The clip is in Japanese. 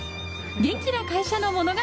元気な会社の物語です。